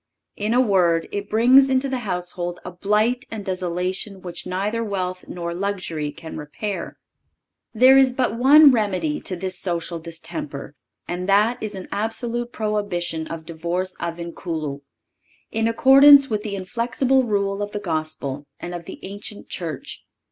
In a word, it brings into the household a blight and desolation which neither wealth nor luxury can repair. There is but one remedy to this social distemper, and that is an absolute prohibition of divorce a vinculo, in accordance with the inflexible rule of the Gospel and of the ancient Church.